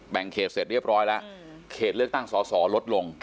เขตเสร็จเรียบร้อยแล้วเขตเลือกตั้งสอสอลดลง